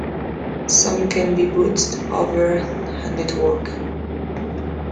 Some can be booted over a network.